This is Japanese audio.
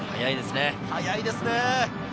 速いですね。